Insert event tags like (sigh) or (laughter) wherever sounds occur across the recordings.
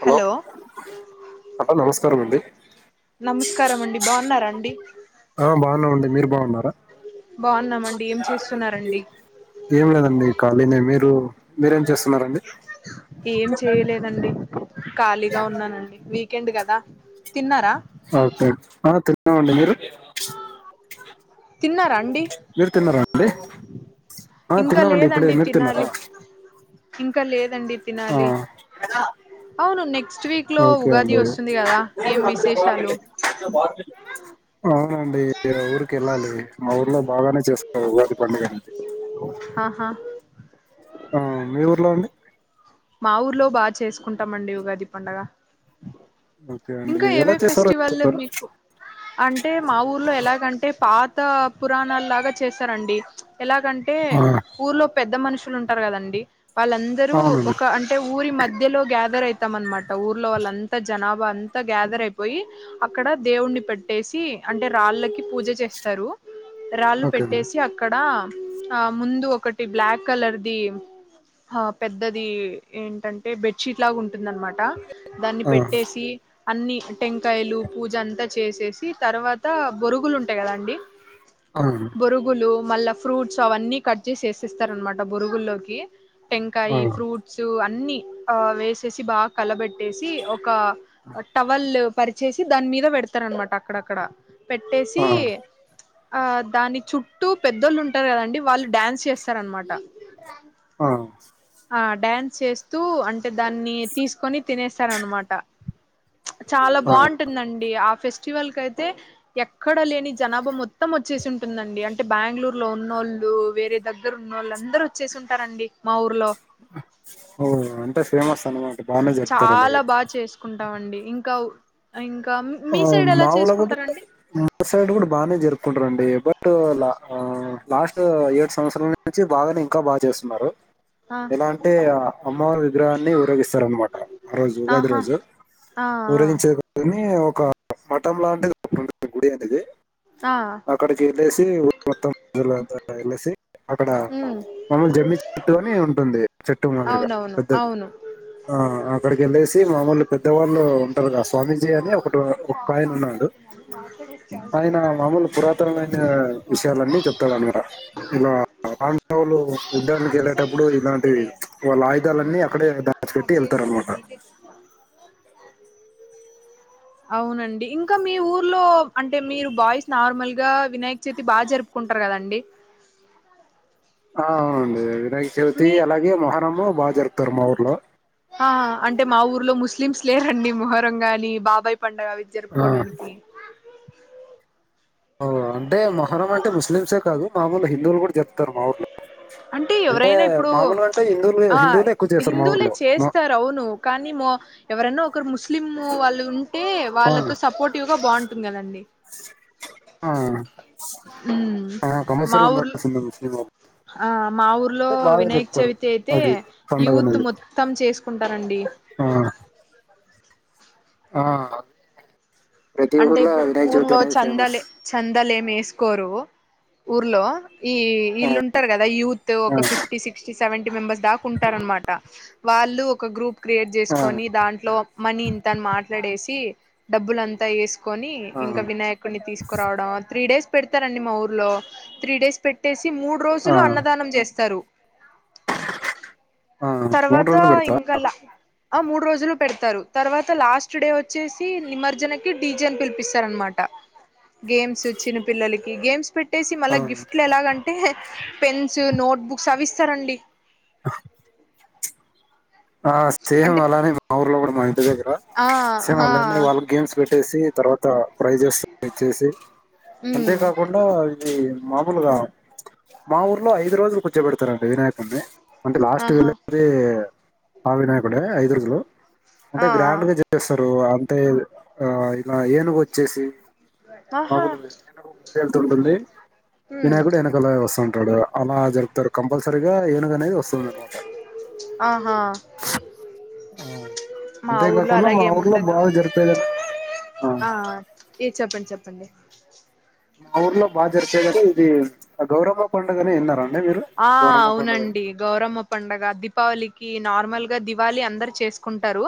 Hello హట నమస్కారం అండి యునీటి లి జిబుల్ నమస్కారం అండి బాగున్నారా అండి ఆ బాగున్నాం అండి మీరు బాగున్నారా బాగున్నామండి ఏం చేస్తున్నారండి. ఏం లేదండి ఖాళీనే మీరు మీరేం చేస్తున్నారండి. ఏం చేయలేదండి. ఖాళీగా ఉన్నానండి మీ కేండ్ గాదా తిన్నారా అవు అండి మీరు తిన్నారా అండి మీరు తిన్నారా అండి. ఆ ఇంకా తిన్నామండి ఇప్పుడే మీరు తిన్నారా కలేద్ దండి ఆ తినాలి. అవును నెక్స్ట్ వీక్ లో ఓకే ఉగాది అండి వస్తుంది. గ దా ఏం విశేషాలు అవునండి ఇగ ఊరికి ఏళ్ళాలి. మా ఊర్లో బాగానే చేసుకుంటారు ఉగాది పండుగ అనేది ఆహా ఆ మీ ఊర్లో అండి మా ఊర్లో బాగా చేసుకుంటాం మండి ఉగాది పండుగ ఓకే అండి ఇంకా ఎలా ఏవే చేస్తారో ఫెస్టివల్ చెప్తారా మీకు అంటే మా ఊర్లో ఎలాగంటే పాత కొత్త పురాణాల్ లాగా చేస్తారండి. ఎలాగంటే ఆ ఊర్లో పెద్ద మనుషులు ఉంటారు. గాదండి వాళ్ళందరూ అవునండి ఒక అంటే ఊరి మధ్యలో గ్యాదర్ అయి తమన్ మద్ ఊర్లో వాళ్ళంతా జనాబా అంతా గ్యాదర్ అయిపోయి అక్కడ దేవుణ్ణి పెట్టేసి అంటే రాళ్ళకి పూజ చేస్తారు. రాళ్ళు ఓకే అండి పెట్టేసి అక్కడ ఆ ముందు ఒకటి బ్లాక్ కలర్ ది ఆ పెద్ద ద్దది ఏంటంటే బెడ్షీట్ లాగా ఉం దన్న మాట దాన్ని ఆ పెట్టేసి అన్నీ టెంకాయలు పూజ అంతా చేసేసి తర్వాత బొరుగులు ఉంటాయి. కదాండి అవునండి బొరుగులు మళ్ళా ఫ్రూట్స్ అవన్నీ కట్ చేసి ఏసిస్తారూ. అన్నమాట బురుగుల్లోకి టెంకాయ్ ఆ అన్ని ఆ వేసేసి బాగా కలబెట్టి ట్టేసి ఒక టవల్ పరిచేసి దాని మీద పెడతారూ. అన్నమాట అక్కడక్కడ పెట్టేసి ఆ ఆ దాని చుట్టూ పెద్దోళ్ళు ఉంటారు కదండి వాళ్ళు డాన్స్ చేస్తారనమాట ఆహ ఆ‌ డాన్స్ చేస్తూ అంట్ దాన్ని తీసుకొని తినేస్తారనమాట చాలా ఆ. బాగుంటుందండి ఆఫెస్ స్టివల్ కైతే ఎక్కడ లేని జనాబా మొత్తం వచ్చేసి ఉంటుందండి అంటే బ్యాంగుళూర్ లో ఉన్నోళ్ళు వేరే దగ్గర ఉన్నోళ్ళుందరు వచ్చేసి ఉంటారండి మా ఊర్లో ఓ అంటే ఫేమస్ అనమా చాలా బా చేసుకుంట్ టామండి ఇంకా ఉ ఇంక్ ఆ మావోల కూడా మాసైడ్ కూడా బానే జరుపుకుంట్ రండి బట్ లా ఆ లాస్ట్ ఏడు సంవత్సరాల నుంచి బాగానే ఇంకా బాగా చేస్తున్నారు ఆ ఎలా అంటే అమ్మవారి విగ్రహాన్ని ఊరేగిస్తారనమాట ఆ రోజు ఉగాది ఆహా రోజు ఆ ఊరేగించే గానీ కా మటంలాంటిది ఒకటుంటది గుడి అనేది ఆ ఆ అక్కడికి వెళ్ళేసి మొత్తం ప్రైమేసి అక్కడ ఉమ్ మనం జమ్మిచెట్టు అని ఉంటుంది చెట్టు మాదిర్గా అవునవును పెద్దది అవును ఆ అక్కడికెళ్ళేసి మాములు పెద్దవాళ్ళు ఉంటారు స్వామీజీ అని ఒక ఒక ఆయన ఉన్నాడు ఆయన మామూలు పురాతనమైన విషయాలన్నీ చెప్తారు అనమాట ఇలా పాండవులు యుద్ధనికి వెళ్ళేటప్పుడు ఇలాంటి వాళ్ళ ఆయుధాలన్నీ అక్కడే దాచుపెట్టి వెళ్తారు అనమాట (inaudible) అవునండి ఇంకా మీ ఊర్లో అంటే మీరు బాయ్స్ నార్మల్ గా వినాయక్ చవితి బాగా జరుపుకుంటారు కదండి ఆ అవునండి అది వినాయక చవితి మీ అలాగే మొహరము బాగా జరుగుతారు మా ఊర్లో ఆ అంటే మా ఊర్లో ముస్లిమ్స్ లేరండి మొహరం గానీ బాబాయ్ పండుగవి ఆ, జరుపుకోవడానికి అంటే మొహరం అంటే ముస్లిమ్సే కాదు మాములు హిందువులు కూడా జరుప్తారు మా ఊర్లో అంటే ఎవరైనా ఇప్పుడు మామూలుగా అంటే హిందువులు ఆ హిందువులే ఎక్కువ చేస్తారు మా హిందువులే ఊర్లో మా- చేస్తారు అవును కానీ మో ఎవరైనా ఒకరు ముస్లిం వాళ్ళు ఉన్ ఈ ఆ, వాళ్ళకు సపోర్టివ్ బావుంటుంది కదండి ఉమ్ ఆ మా కమసర్సి ఊర్లో ఉండాల్సిందే ఆ మా ఊర్లో అంటే బాగా వినాయక చెప్తారు చవితి అయితే అది పండగ యూత్ అనేది మొత్తం చేసుకుంటారండి ఆ ఆ ప్రతి అంటే ఊర్లో ఇప్పుడు వినాయక చవితి ఊర్లో అనేది ఫేమస్ చందలే చందాలేం వేసుకోరు ఊర్లో ఈ ఆ వీళ్ళుంటారు కదా యూత్ ఒక ఆ ఫిఫ్టీ సిక్స్టీ సెవెంటీ మెంబర్స్ దాకా ఉంటార అనమాట వాళ్ళు ఒక గ్రూప్ క్రియేట్ చేసుకొని దాంట్లో మనీ ఇంతని మాట్లాడేసి డబ్బులంతా త ఏసు కొని ఆ ఇంకా వినాయకుడిని తీసుకురావడం త్రీ డేస్ పెడతారండి మా ఊర్లో త్రీ డేస్ పెట్టేసి మూడు ఆ రోజులు అన్నదానం చేస్తారు ఆ మూడు తర్వాత రోజులు పెడతా ఇంకలా ఆ మూడు రోజులు పెడతారు తర్వాత లాస్ట్ డే వచ్చేసి నిమజ్జన కి డీజే లు పిలిపిస్తారు అనమాట గేమ్స్ చిన్నపిల్లలకి గేమ్స్ పెట్టీ పెట్టేసి ఆ మళ్ళా గిఫ్ట్లు ఎలాగంటే పెన్స్ నోట్బుక్స్ అవి ఇస్తారండి ఆ సేమ్ అంటే అలానే మా ఊర్లో కూడా మా ఇంటి దగ్గర ఆ సేమ్ ఆ అలానే వాళ్ళ గేమ్స్ పెట్ పెట్టేసి తర్వాత ప్రైజెస్ ఇచ్చేసి అంతే ఉమ్ కాకుండా అ మామూలుగా మా ఊర్లో ఐదు రోజులు కూర్చోబెడతారండి వినాయకున్నీ అంటే లాస్ట్ ఆహా వెలీ ఆ వినాయకుడే ఐదు రోజులు అంటే ఆ ఆ గ్రాండ్గా చేస్తా రు అంతే ఆ ఇలా ఏనుగు వచ్చేసి ఆహా మాగులున ము వెళ్తుంటుంది ఉమ్ వినాయకుడు వెనకాల వస్తుంటాడు అలా జరుపుతారు కంపల్సరీగా ఏనుగనేది వస్తుంది అనమాట ఆహా ఆ మా ఊర్లో అలాగే ముండదు జరిపేదంటే ఆ ఏ చెప్పండి చెప్ప ప్పండి మా ఊర్లో బా జరిపేది అంటే ఇది ఆ గౌరమ్మ పండుగని విన్నరా ఆ అవునండి గౌరమ్మ పండుగ దీపావళి కీ నార్మల్గా దివాళి అందరు చేస్కుంటారు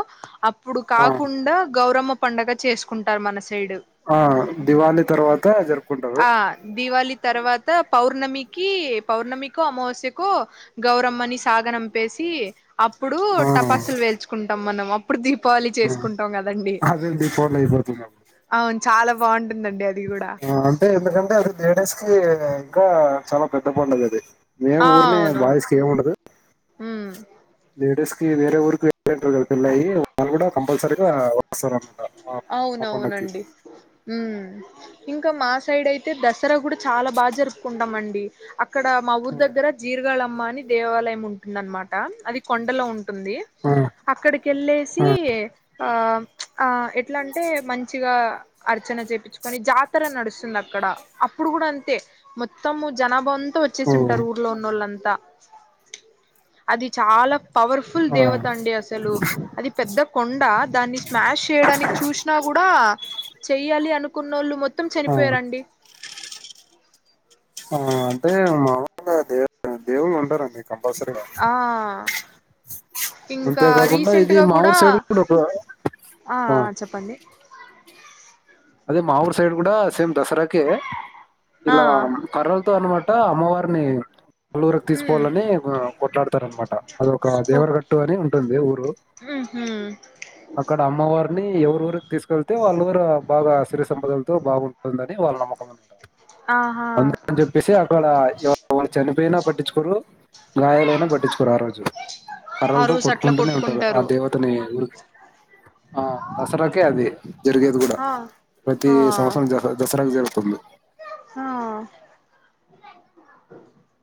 అప్ ప్పుడు ఆ, కాకుండా గౌరమ్మ పండగ చేస్కుంటారు మనస ఆ దివాళి తర్వాత జరుపు ఆ దివళి తర్వాత ప పౌర్ణమికి, పౌర్ణమికో అమావాస్యకో గౌరమ్మని సాగనంపేసి అప్పుడు ఆ, టపాసుల్ వేల్చుకుంటాం మనం అప్ ఇప్పుడు దీపావళి ఆ, చేసుకుంటాం కదండీ. అదే దీపావళి అయిపోతుంది అప్పుడు. అవున్ చాలా బాంటుందండి అది కూడా ఆ, అంటే ఎందుకంటే అది లేడీస్కి ఇంకా చాలా పెద్ద పండుగది మేము ఊర్నే బాయ్స్ కేముండదు అమ్ లేడిసేకి వేరే ఊరుకి వెళ్ళేత్తువెల్ తున్నాయి. వాళ్ళు కూడా కంపల్సరీగా వస్తారంట మా మా పండక్కి అవునవునండి ఉమ్ ఇంకా మా సైడైతే దసరా గూడా చాలా బా జరుపుకుంటామండి అ క్కడ మా ఊరి దగ్గర జీర్గాళ మ్మ అని దేవాలయముంటుందనమాట అది కొండలో ఉం టుంది ఆ, అక్కడికెళ్ళేసి ఆ ఆ ఎట్లాంటే మంచిగా అర్చన చేపిచ్చుకొని జాతర నడుస్తుందక్కడ అప్పుడు కూడా అంతే మొత్తము జనబ- త ఓ, వచ్చేసుంటారు ఊర్లో ఉన్నళ్ళంత త అది చాల పవర్ఫుల్ ఆ, దేవతండి అసలు అది పెద్ద కొండ దాన్ని స్మాష్ చేయడానికి చూషినా గూడా చెయ్యాలి అనుకున్నోళ్ళు మొత్త త్తం ఆ, చనిపోయారండి ఆ, (unintelligible) ఉ ఉండరండి ఆ ఇంకా అంతేకాకుండా రీసెంట్ ఇది గా మా కూడా ఊరు సైడ్ ఉండద (unintelligible) ఆ చెప్పండి అదే మా ఊర్ సైడ్ కూడా సేమ్ దసరాకే ఆ ఇలా కర్రలతో అన్ మాట ఆ అమ్మవారిని, పలుఊరికి హ్మ్ తీసుకోవాలని కొట్లాడుతారు అనమాట అద ఒక ఓకే దేవరకట్టు అని ఉంటుంది ఊరు ఉహు అక్కడ అమ్మవారి ని ఎవరు ఎవరు తీసుకెళ్తే వాళ్ళు గుర స్థిర సంపదలతో బాగుంటంది అని వాళ్ళ నమ్మకం అంట ఆహా అందుక అని చెప్పేసి అక్కడ వాళ చనిపోయినా పట్టించుకోరు గాయాలైనా పట్టించుకోరు ఆ రోజు ఆ కర్రలతో రోజు అట్లా కొట్టుకుంటూనే ఉంటారు ఆ కొట్టుకుంటారు దేవతని ఊరికి ఆ దసరాకే అది జరిగేది కూడా ఆ ప్రతి ఆ సంవత్సరం జహజస్త కరం జరుగుతుంది ఆ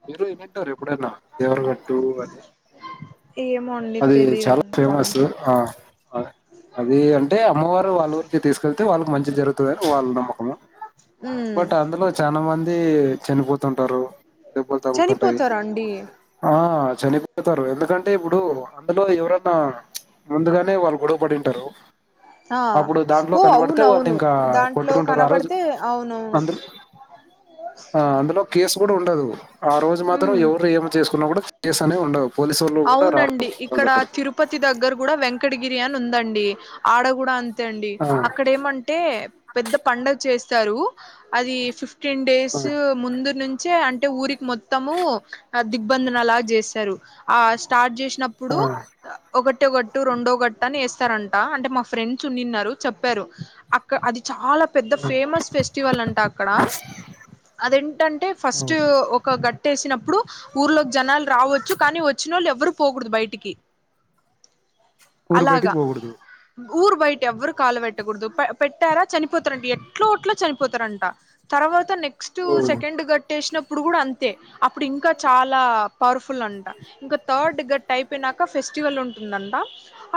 మీరు విని ఉంటారు ఎప్పుడన్న దేవర్గట్టు అని ఏమో అండి అది చాలా తెలీయదుఅంత ఫేమస్ ఆ అది అంటే అమ్మవారు వాళ్ళ ఊరికి తీసుకెళ్తే వాళ్ళకి మంచి జరుగుతదని వాళ్ళ నమ్మకము హ్మ్ బట్ అందులో చాలా మంది ది చనిపోతుంటారు దెబ్బలు తగులుతుంటాయి చనిపోతారా అండి ఆ చనిపోతారు ఎందుకంటే ఇప్పుడు అందులో ఎవరన్నా ముందుగానే వాళ్ళు గొడవ పడింటారు ఆ అప్పుడు దాంట్లో ఓ కనబడితే వాళ్ళు అవునవును ఇంకా దాంట్లో కొట్టుకుంటారు ఆ రోజు కనబడితే అవునవును అందు ఆ అందులో కేసు కూడా ఉండదు ఆ రోజు మాత్రం ఉమ్ ఎవరు ఏమి చేసుకున్నా కూడా కేసు అనే ఉండదు పోలీసోళ్ళు కూడా రారు డి ఆ రోజు ఇక్కడ అక్కడికి తిరుపతి దగ్గర కూడా వెంకటగిరి అని ఉందండి ఆడ కూడా అం తే అండి ఆ అక్కడ ఏమంటే పెద్ద పండగచేస్ స్తారు అది ఫిఫ్ ఫిఫ్టీన్ డేస్ ఆ ముందు నుం చ్చే అంటే ఊరికి మొ త్తము దిగ్బంధనలాగా చేస్తారు ఆ స్టార్ట్ చేస్ నప్పుడు ఆ ఒకటి ఒక టు రెండో గట్ట వేస్తారంటా అంటే మా ఫ్రెండ్ ఉన్నిన్నారు చెప్పారు అక్క అది చాలా పెద్ద ఆ ఫేమస్ ఫెస్టివల్ అంట అక్కడ అదేంటంటే ఆ ఫస్ట్ ఒక గట్ పెట్టేసినప్పుడు ఊర్లోకి జనాలు రావచ్చు కానీ వచ్చినోళ్ళు ఎవ్వరు పోకూడదు బయటికి ఊరుబయటికి అలాగా పోకుడుదు ఊరు బయట ఎవ్వరు కాలు పెట్టకూడదు పెట్టారా చనిపోతారంట ఎటట్లో అట్ల చనిపోతారంట తర్వాత నెక్ క్స్ట్ ఓ సెకండ్ గట్టేసిన ప్పుడు కూడా అం తే అప్పుడు ఇంకా చాలా పవర్ఫుల్ అంట ఇంకా థర్డ్ గట్ టైపేనాక ఫెస్టివల్ ఉం టుందంట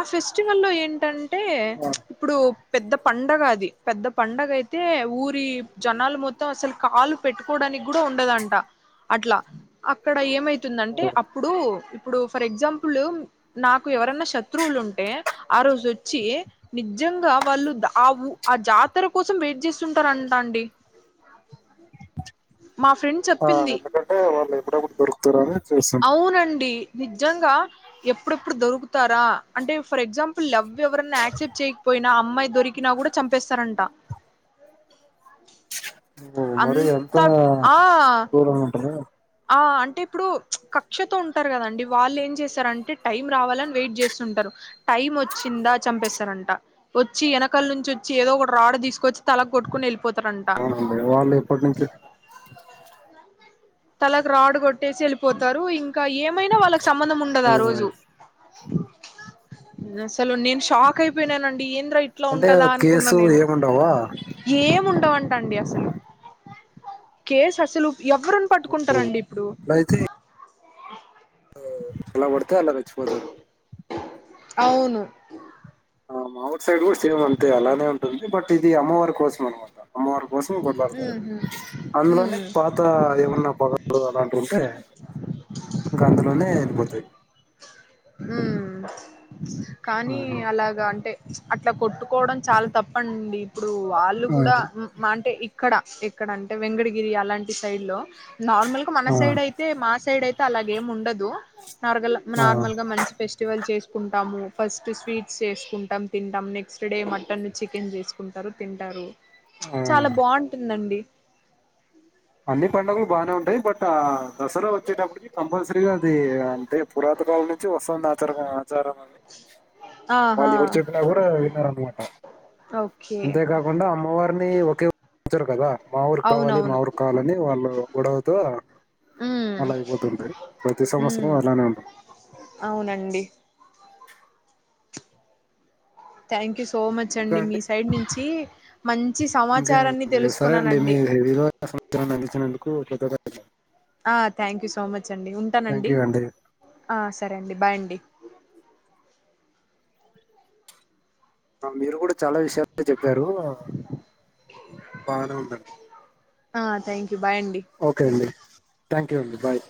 ఆ ఫెస్ స్టివల్ లో ఏంటంటే ఆ ప్చ్ ఇప్పుడు పెద్ద పండగ అది పెద్ద పండగ అయితే ఊరి జనాలు మొత్తం అసలు కాలు పెట్టుకోవడానికి కూడా ఉండదంట అట్లా అక్కడ ఏమై తుందంటే ఆ అప్పుడు ఇప్పుడు ఫర్ ఎగ్జాంపుల్ నాకు ఎవరైనా శత్రువులు ఉంటే ఆ రోజు వచ్చి నిజంగా వాళ్ళు ఆఉ ఆ జాతర కోసం వెయిట్ చేస్తుంటారంట అండి మా ఫ్రెండ్ చెప్ హ ఎందుకంటే వాళ్ళు ఎప్పుడు ఎప్పుడు దొరుకుతారని చేస్తుంటారు అవునండి నిజంగా ఎప్పుడెప్పుడు దొరుకుతారా అంటే ఫర్ ఎగ్జాంపుల్ ఎవ్ ఎవరన్నా ఆక్సెప్ట్ చేయకపోయి నా అమ్మాయి దొరికినా కూడా చంపేస్తారంట ఓ మరి అంత ఆ క్రూరంగా ఉంటార ఆ అంటే ఇప్పుడు కక్షతో ఉంటారు కదండి వాళ్ళు ఏం చేశారంటే టైం రావాలని వెయిట్ చేస్తుంటారు టైం వచ్చిందా చంపేస్తారంట వచ్చి వెనకాల నుంచి వచ్చి ఏదో ఒకటి రాడ్ తీసుకొచ్చి తలకి కొట్టుకుని వెళ్ళిపోత అవునండి వాళ్ళు ఎప్పటి నుంచి తలకు రాడ్ కొట్టేసి వెళ్ళిపోతారు ఇంకా ఏమైనా వాళ్ళక్ సంబంధం ఉండదు ఓ ఆ రోజు అసలు నేను షాక్ అయిపోయినానండి ఏం ఏం ట్రా ఇట్లా అంటే ఉంటదా అనుకున్నా కేసు నేను ఏముండవా ఏమిండవు టాండి అసలు కేస్ అసలు ఎవరినీ పట్ ఓ కుంటారండి ఇప్పుడు ఏయ్ హు ఎలా కొడ్ తే అల రెచ్చిపోతారు అవును ఆ మావూర్ సైడ్ కూడా సేమ్ అంతే అలానే ఉం ఉంది బట్ ఇది అమ్మవారి కోసం అన్నమాట అమ్మవారి కోసం కొట్లాడతారు హుహు. అందులోనే హ్మ్. పాత ఏమన్న పగలు అలాంటివి ఉంటే ఇంకా అందులోనే వెళ్ళిపోతాయి హ్మ్ కానీ ఆ అలాగా అంటే అట్లా కొట్టుకోవడం చాలా తప్పండి ఇప్పుడు వాళ్ళు కూడా ఆ మా అంటే ఇక్కడ ఎక్కడ అంటే వెంకటగిరి అలాంటి సైడ్ లో నార్మల్ గా మన ఆ సైడ్ అయితే మా సైడ్ అయితే అలాగే ముండదు నార్గల్ ఆ నార్మల్ ఫెస్టివల్ చేసుకుంటాము ఫస్ట్ స్వీట్స్ చేసుకుంటాము తింటాము నెక్స్ట్ డే మటన్ చికెన్ చేసుకుంటారు తింటారు ఆ చాలా బాగుంటుందండి అన్ని పండుగలు బాగానే ఉంటాయి బట్ ఆ దసరా వచ్చేటప్పటికి కంపల్సరీగా అది అంటే పురాత కాలం నుంచి వస్తుంది ఆ తర వి వాళ్ళు ఆహా ఎవరు చెప్పినా కూడా విన్నార ఎమ్ అటా ఓకే అంతేకాకుండా అమ్మవారిని ఒకే చ్చరు కద మా ఊరు కావాలి మా అవునవును ఊరు కావాలని వాళ్ళు గడ హవుతు ఉమ్ అలాయిపోతుంది ప్రతి సంవత్సరం ఉమ్ అలానే ఉండ అవునండి థ్యాంక్ యూ స్ సో మచ్ అండి మీ సైడ్ నుంచి మంచి సమాచారాన్ని తెలుసుకున్నానండి ఆ సంవత్సరాన్ని అందించినందుకు చద్దగాదు ఆ థ్యాంక్ యూ సో మచ్ అండి థ్యాంక్ ఉంటానండి యూ అండి ఆ సరే అండి బాయ్ అండి మీరు కూడా చాలా విషయాల చెప్పారు బానే ఉందండి ఆథ్యాంక్యూ ఓకే అండి థ్యాంక్ ఓకే అండీ బాయ్